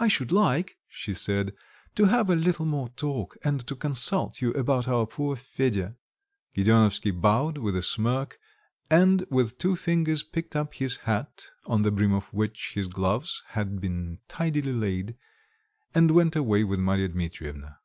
"I should like," she said, "to have a little more talk, and to consult you about our poor Fedya." Gedeonovsky bowed with a smirk, and with two fingers picked up his hat, on the brim of which his gloves had been tidily laid, and went away with Marya Dmitrievna.